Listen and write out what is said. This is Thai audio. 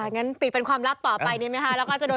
งั้นปิดเป็นความลับต่อไปแล้วมีทีครับ